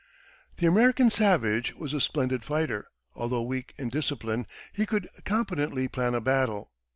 The American savage was a splendid fighter; although weak in discipline he could competently plan a battle.